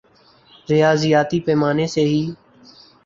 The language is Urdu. ریاضیاتی پیمانے سے ہی